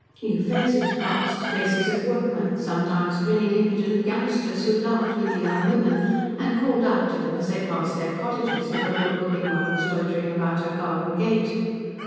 New faces passed faces of workmen sometimes grinning, "impident youngsters," who larked with the young women, and called out to them as they passed their cottages, if a good looking one was loitering about her garden gate.